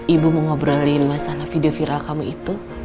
ibu mau ngobrolin masalah video viral kamu itu